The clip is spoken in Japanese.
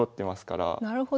なるほど。